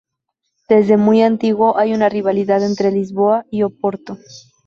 Desde muy antiguo hay una rivalidad entre Lisboa y Oporto.